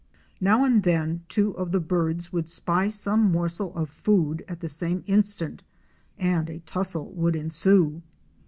Now and then two of the birds would spy some morsel of food at the same instant and a tussel would ensue.